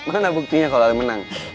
mana buktinya kalau menang